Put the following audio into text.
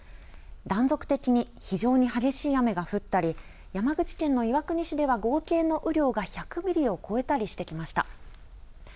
断続的に非常に激しい雨が降ったり、山口県の岩国市では、合計の雨量が１００ミリを超えたりしてきました。